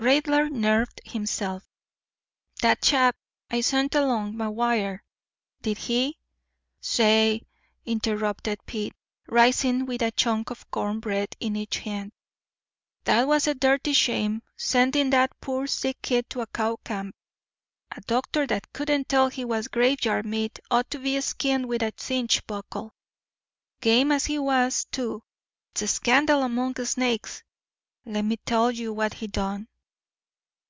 Raidler nerved himself. "That—chap—I sent along—McGuire—did—he—" "Say," interrupted Pete, rising with a chunk of corn bread in each hand, "that was a dirty shame, sending that poor, sick kid to a cow camp. A doctor that couldn't tell he was graveyard meat ought to be skinned with a cinch buckle. Game as he was, too—it's a scandal among snakes—lemme tell you what he done.